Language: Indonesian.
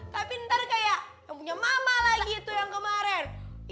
tapi ntar kayak yang punya mama lagi itu yang kemarin ya